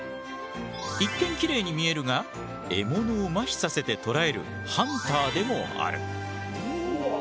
一見きれいに見えるが獲物をまひさせて捕らえるハンターでもある。